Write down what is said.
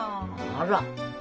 あら？